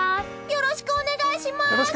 よろしくお願いします！